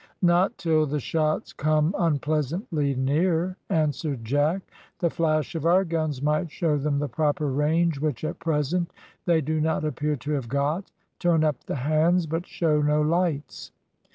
"Not till the shots come unpleasantly near," answered Jack. "The flash of our guns might show them the proper range, which at present they do not appear to have got. Turn up the hands, but show no lights."